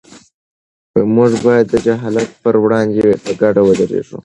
موږ باید د جهالت پر وړاندې په ګډه ودرېږو.